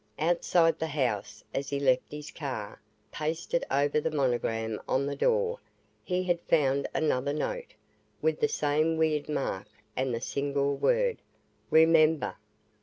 Outside the house, as he left his car, pasted over the monogram on the door, he had found another note, with the same weird mark and the single word: "Remember!"